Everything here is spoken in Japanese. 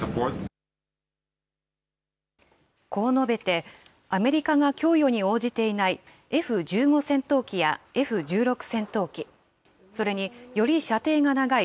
こう述べて、アメリカが供与に応じていないＦ１５戦闘機やＦ１６戦闘機、それにより射程が長い